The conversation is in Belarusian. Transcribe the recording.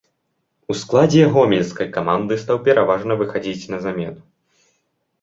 У складзе гомельскай каманды стаў пераважна выхадзіць на замену.